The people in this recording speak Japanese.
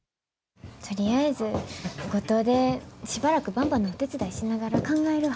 とりあえず五島でしばらく、ばんばのお手伝いしながら考えるわ。